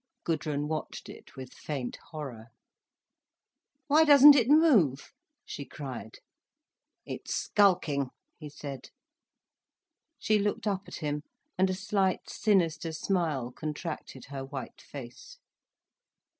Gudrun watched it with faint horror. "Why doesn't it move?" she cried. "It's skulking," he said. She looked up at him, and a slight sinister smile contracted her white face.